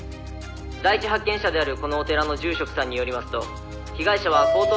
「第一発見者であるこのお寺の住職さんによりますと」